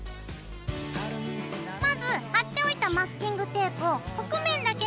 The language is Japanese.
まず貼っておいたマスキングテープを側面だけ残して外すよ。